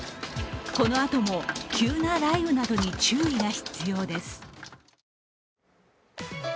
このあとも急な雷雨などに注意が必要です。